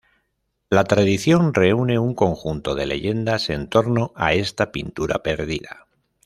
La tradición reúne un conjunto de leyendas en torno a esta pintura perdida.